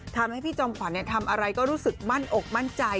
ทำให้พี่จอมขวัญทำอะไรก็รู้สึกมั่นอกมั่นใจ